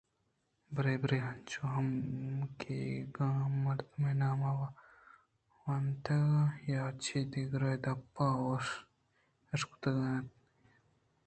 برے برے انچو ہم کہ اگاں مردم ءِ نامے ونتگ یاچہ دگرے ءِ دپ ءَ اش کُتگاں یاِت اِت اَنت